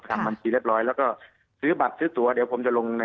ทางบัญชีเรียบร้อยแล้วก็ซื้อบัตรซื้อตัวเดี๋ยวผมจะลงใน